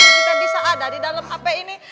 kita bisa ada di dalam hp ini